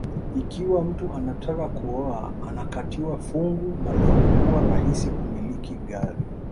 Ikiwa mtu anataka kuoa anakatiwa fungu na ilikuwa rahisi kumiliki gari